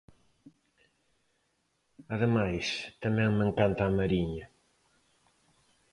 Ademais, tamén me encanta A Mariña.